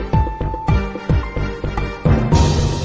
คือแก